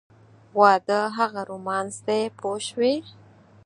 واده هغه رومانس دی پوه شوې!.